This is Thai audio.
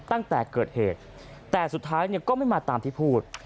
ตั้งแต่เกิดเหตุแต่สุดท้ายเนี่ยก็ไม่มาตามที่พูด